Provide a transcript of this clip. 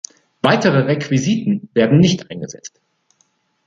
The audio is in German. Weitere Requisiten werden nicht eingesetzt.